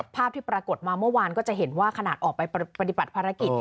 ภาพที่ปรากฏมาเมื่อวานก็จะเห็นว่าขนาดออกไปปฏิบัติภารกิจ